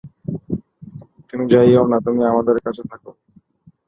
তুমি যাইও না, তুমি আমাদের কাছে থাক।